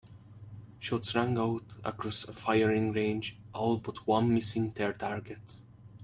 Shots rang out across the firing range, all but one missing their targets.